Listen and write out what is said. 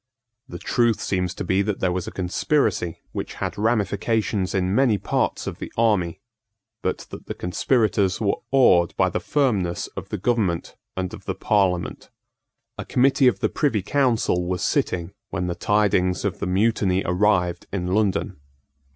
The truth seems to be that there was a conspiracy which had ramifications in many parts of the army, but that the conspirators were awed by the firmness of the government and of the Parliament. A committee of the Privy Council was sitting when the tidings of the mutiny arrived in London.